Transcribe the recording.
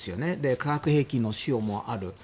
化学兵器の使用もある。